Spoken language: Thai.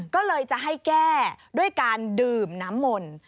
ก็เลยจะให้แก้ด้วยการดื่มน้ำมนต์